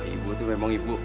ibu tuh memang ibu